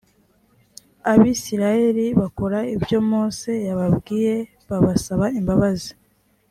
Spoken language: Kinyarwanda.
abisirayeli bakora ibyo mose yababwiye basaba imbabazi